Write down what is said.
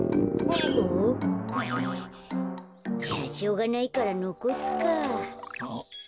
グ。じゃあしょうがないからのこすか。